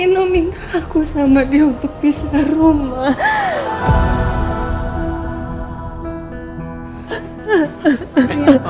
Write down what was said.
nino minta aku sama dia untuk pisah rumah